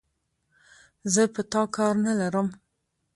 زه په تا کار نه لرم،